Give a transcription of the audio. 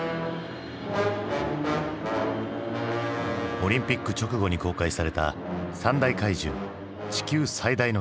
オリンピック直後に公開された「三大怪獣地球最大の決戦」。